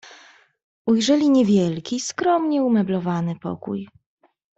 "Ujrzeli niewielki, skromnie umeblowany pokój."